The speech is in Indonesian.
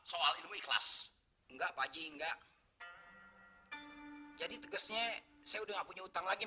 soal ikhlas enggak pakji enggak jadi tegasnya saya udah punya utang lagi